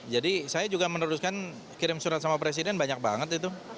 jadi saya juga meneruskan kirim surat sama presiden banyak banget itu